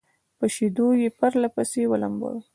په شيدو يې پرله پسې ولمبوي